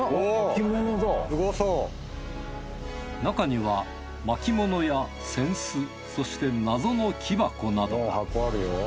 中には巻物や扇子そして謎の木箱などが。